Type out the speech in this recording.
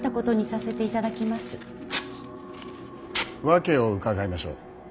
訳を伺いましょう。